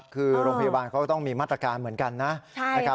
คือโรงพยาบาลเขาก็ต้องมีมาตรการเหมือนกันนะครับ